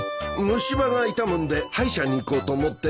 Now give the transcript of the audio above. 虫歯が痛むんで歯医者に行こうと思ってね。